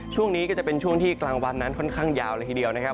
ช่วงนี้ก็จะเป็นช่วงที่กลางวันนั้นค่อนข้างยาวเลยทีเดียวนะครับ